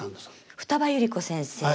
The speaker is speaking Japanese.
二葉百合子先生